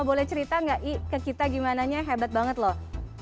boleh cerita gak i ke kita gimana nya hebat banget loh